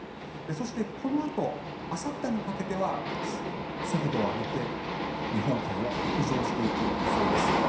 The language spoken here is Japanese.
そして、このあとあさってにかけては速度を上げて日本海を北上していく予想です。